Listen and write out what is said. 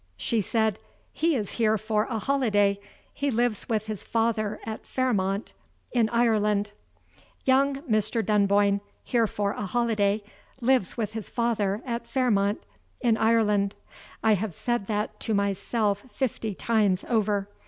She said: "He is here for a holiday; he lives with his father at Fairmount, in Ireland." Young Mr. Dunboyne here for a holiday lives with his father at Fairmount, in Ireland. I have said that to myself fifty times over.